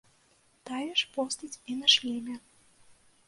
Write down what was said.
Тая ж постаць і на шлеме.